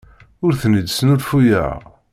Ur ten-id-snulfuyeɣ.